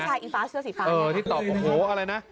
อิงฟ้าเสื้อสีฟ้าที่ตอบโอ้โหอะไรนะ